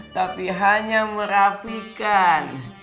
tapi hanya merapikan